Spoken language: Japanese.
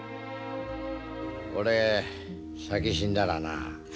俺、先に死んだらな。